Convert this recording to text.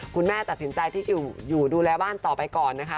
คุณแม่ตัดสินใจที่อยู่ดูแลบ้านต่อไปก่อนนะคะ